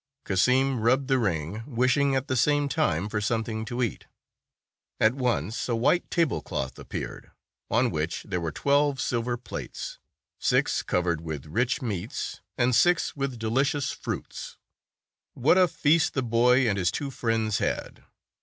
Cassim rubbed the ring, wishing at the same time for something to eat. At once a white tablecloth appeared, on which there were twelve silver plates, six covered with rich meats, and six with delicious fruits. What a feast the boy and his two friends had